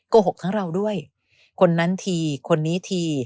โกหกทั้งเราด้วยคนนั้นทีคนนี้ที